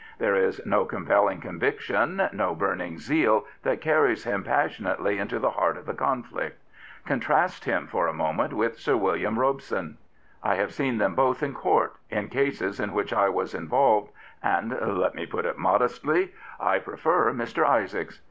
There is no compelling conviction, no burning zeal that carries him passion ately into the heart of the conflict. Contrast him for a moment with Sir William Robson. I have seen them both in Court, in cases in which I was involved, and — let me put it modestly — I prefer Mr. Isaacs.